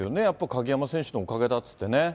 やっぱり鍵山選手のおかげだってね。